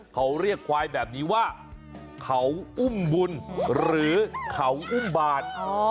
เขาเรียกควายแบบนี้ว่าเขาอุ้มบุญหรือเขาอุ้มบาท